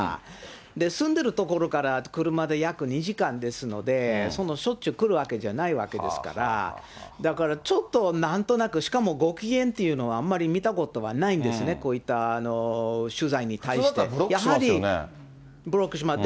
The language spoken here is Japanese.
で、住んでる所から車で約２時間ですので、そんなしょっちゅう来るわけじゃないわけですから、だからちょっとなんとなく、しかもご機嫌っていうのはあんまり見たことはないんですね、普通だったらブロックしますブロックします。